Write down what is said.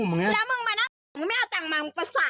เอาบัตมาก่อนนะครับ